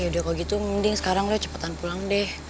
yaudah kalau gitu mending sekarang lu cepetan pulang deh